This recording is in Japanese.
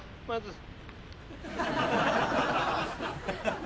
まず。